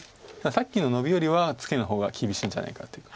さっきのノビよりはツケの方が厳しいんじゃないかっていう。